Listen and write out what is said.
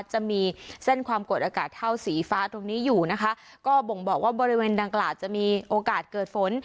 จะมีเส้นความกดอากาศเท่าสีฟ้าตรงนี้อยู่นะคะก็บ่งบอกว่าบริเวณดังกล่าวจะมีโอกาสเกิดฝน